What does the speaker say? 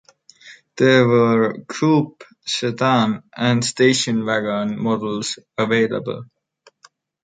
There were coupe, sedan, and station wagon models available.